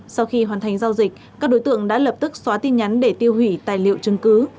sau khi hoàn thành giao dịch các đối tượng đã lập tức xóa tin nhắn để tiêu hủy tài liệu chứng cứ